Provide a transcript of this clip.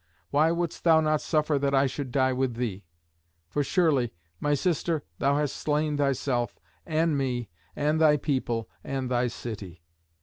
Why wouldst thou not suffer that I should die with thee? For surely, my sister, thou hast slain thyself, and me, and thy people, and thy city.